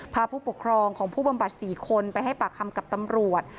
ผู้ปกครองของผู้บำบัด๔คนไปให้ปากคำกับตำรวจ